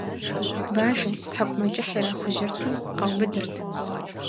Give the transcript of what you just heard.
Бажэ, тхьэкӀумэкӀыхь ирахужьэрти, къаубыдырт.